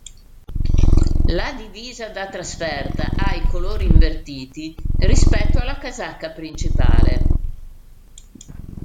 La divisa da trasferta ha i colori invertiti rispetto alla casacca principale.